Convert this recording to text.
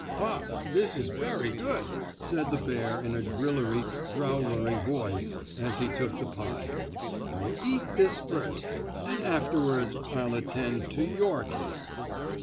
"Ha! this is very good," said the bear in a grillery, growlery voice, as he took the pie. "I will eat this first and afterward I'll attend to your case!"